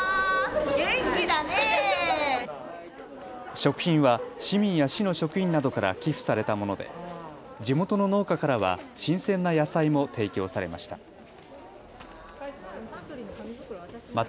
食品は市民や市の職員などから寄付されたもので地元の農家からは新鮮な野菜も提供されました。